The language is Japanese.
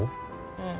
うん。